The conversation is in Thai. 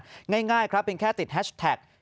ให้กับจังหวัดน่านง่ายครับเป็นแค่ติดแฮชแท็ก